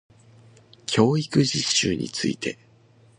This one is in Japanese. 教育実習について